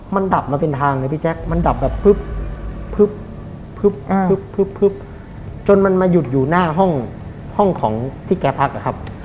มันดับมาเป็นทางเลยพี่แจ๊คมันดับแบบจนมันมาหยุดอยู่หน้าห้องของที่แกพักนะครับ